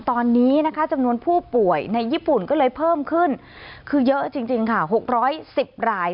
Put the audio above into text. ตอนนี้นะคะจำนวนผู้ป่วยในญี่ปุ่นก็เลยเพิ่มขึ้นคือเยอะจริงค่ะ๖๑๐ราย